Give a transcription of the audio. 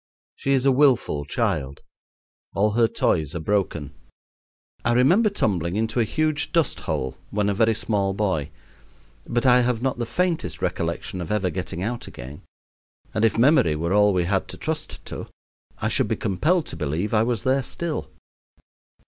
She is a willful child; all her toys are broken. I remember tumbling into a huge dust hole when a very small boy, but I have not the faintest recollection of ever getting out again; and if memory were all we had to trust to, I should be compelled to believe I was there still.